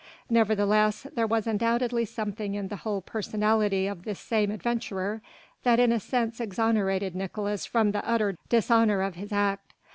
Nevertheless there was undoubtedly something in the whole personality of this same adventurer that in a sense exonerated Nicolaes from the utter dishonour of his act.